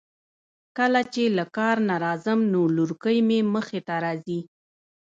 کله چې له کار نه راځم نو لورکۍ مې مخې ته راځی.